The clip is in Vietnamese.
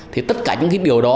thì tất cả những điều đó